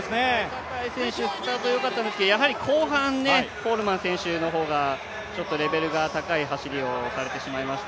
坂井選手スタートよかったですけれども、後半、コールマン選手の方がレベルが高い走りをされてしまいました。